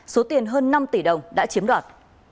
số tiền hơn năm tỷ đồng đã chiếm đoạt